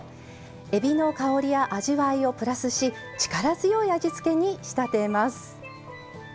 えびの香りや味わいをプラスし力強い味付けに仕立てます。